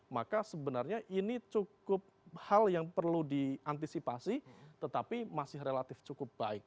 maka sebenarnya ini cukup hal yang perlu diantisipasi tetapi masih relatif cukup baik